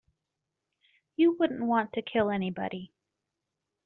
You wouldn't want to kill anybody.